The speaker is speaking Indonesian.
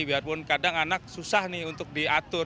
biarpun kadang anak susah nih untuk diatur